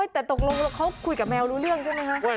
แต่ตกลงเขาคุยกับแมวรู้เรื่องใช่ไหมคะ